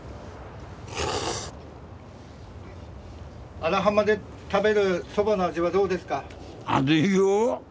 荒浜で食べるそばの味はどうですか？